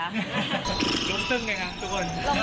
ล้มตึ้งไงครับทุกคน